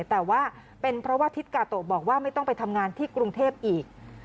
แต่ว่าเป็นเพราะว่าทิศกาโตะบอกว่าไม่ต้องไปทำงานที่กรุงเทพอีก